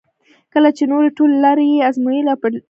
کله چې نورې ټولې لارې یې ازمایلې او پلټلې وي.